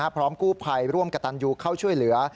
พร้อมกู้ภัยร่วมกับตันยูเข้าช่วยเหลือ